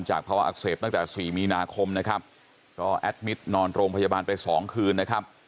ภาวะอักเสบตั้งแต่สี่มีนาคมนะครับก็แอดมิตรนอนโรงพยาบาลไปสองคืนนะครับ